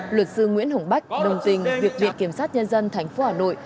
luật sư nguyễn hồng bách đồng tình việc viện kiểm sát nhân dân thành phố hà nội